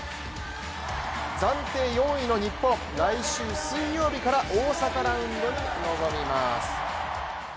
暫定４位の日本、来週水曜日から大阪ラウンドに臨みます。